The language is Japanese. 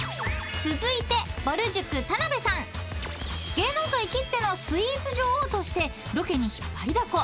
［芸能界きってのスイーツ女王としてロケに引っ張りだこ］